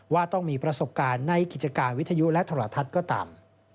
ว่าต้องมีประสบการณ์ในกิจการวิทยุและโทรทัศน์ก็ตาม